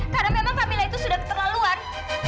karena memang kamilah itu sudah keterlaluan